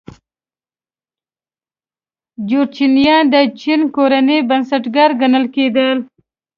جورچنیان د چینګ کورنۍ بنسټګر ګڼل کېدل.